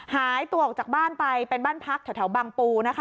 หายตัวออกจากบ้านไปเป็นบ้านพักแถวบางปูนะคะ